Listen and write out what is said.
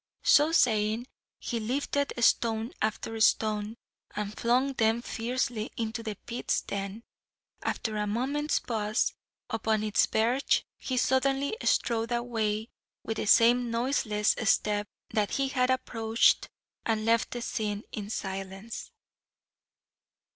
So saying, he lifted stone after stone, and flung them fiercely into the pits then, after a moment's pause upon its verge, he suddenly strode away with the same noiseless step that he had approached, and left the scene in silence.